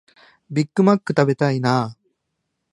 ビッグマック食べたいなあ